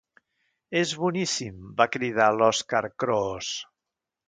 És boníssim! —va cridar l'Oskar Kroos.